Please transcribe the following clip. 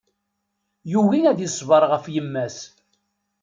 Yugi ad iṣber ɣef yemma-s.